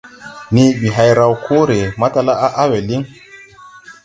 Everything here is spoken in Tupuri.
Nii ɓi hay raw koore, matala á a we liŋ.